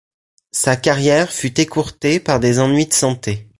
Sa carrière fut écourtée par des ennuis de santé.